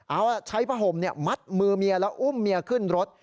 เอาใช้ผ้าห่มมัดมือเมียแล้วอุ้มเมียขึ้นรถ